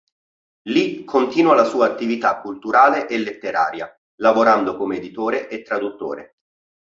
Lì continua la sua attività culturale e letteraria, lavorando come editore e traduttore.